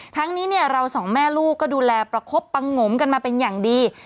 ทั้งนี้เนี่ยเราสองแม่ลูกก็ดูแลประคบปังงมกันมาเป็นอย่างดี